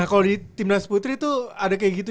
nah kalau di tim nas putri tuh ada kayak gitu